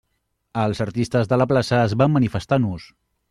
Els artistes de la plaça es van manifestar nus.